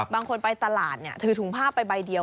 บางคนไปตลาดถือถุงผ้าไปใบเดียว